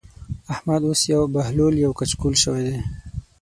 احمد اوس يو بهلول يو کچکول شوی دی.